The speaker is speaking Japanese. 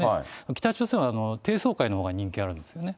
北朝鮮は低層階のほうが人気あるんですよね。